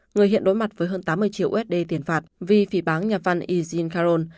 người hiện đối mặt với hơn tám mươi triệu usd tiền phạt vì phỉ bán nhà văn ezean caron